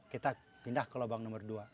kita pindah ke lubang nomor dua